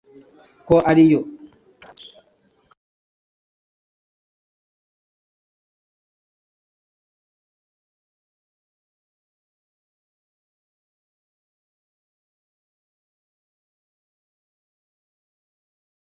Umugore yasabwaga kumvira no kubaha umugabo we muri byose n’igihe cyose